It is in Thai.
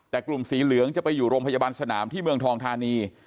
แต่กลุ่มสีเหลืองจะไปอยู่โรงพยาบาลสนามที่เมืองทองธานี